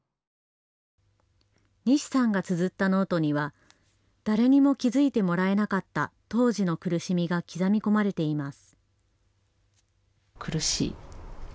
西さんがつづったノートには誰にも気付いてもらえなかった当時の苦しみが刻み込まれています。